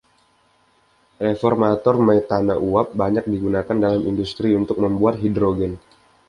Reformator metana uap banyak digunakan dalam industri untuk membuat hidrogen.